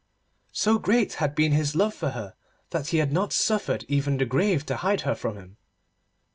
So great had been his love for her that he had not suffered even the grave to hide her from him.